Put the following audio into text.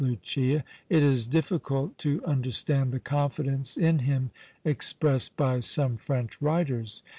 Lucia, it is difficult to understand the confidence in him expressed by some French writers.